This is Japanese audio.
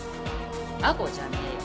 タコじゃねえよ